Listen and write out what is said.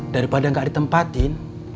daripada gak ditempatin